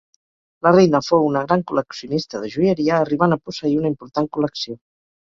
La reina fou una gran col·leccionista de joieria arribant a posseir una important col·lecció.